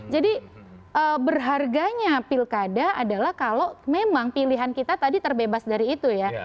jadi berharganya pilkada adalah kalau memang pilihan kita tadi terbebas dari itu ya